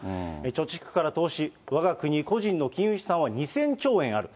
貯蓄から投資、わが国個人の金融資産は２０００兆円ある。